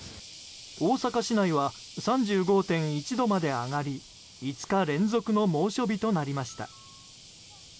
大阪市内は３５．１度まで上がり５日連続の猛暑日となりました。